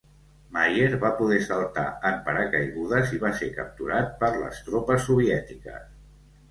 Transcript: Maier va poder saltar en paracaigudes i va ser capturat per les tropes soviètiques.